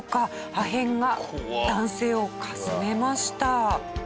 破片が男性をかすめました。